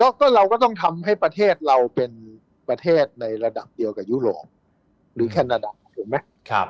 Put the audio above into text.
ก็เราก็ต้องทำให้ประเทศเราเป็นประเทศในระดับเดียวกับยุโรปหรือแคนาดะถูกไหม